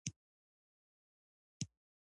یو ځایي ورتګ د وخت ضایع کول دي.